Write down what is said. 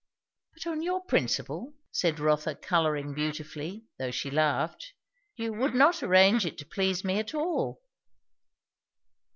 "But on your principle," said Rotha, colouring beautifully, though she laughed, "you would not arrange it to please me at all."